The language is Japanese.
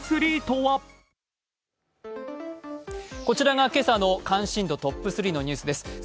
こちらが今朝の関心度トップ３のニュースです。